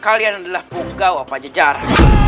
kalian adalah punggawa pajajara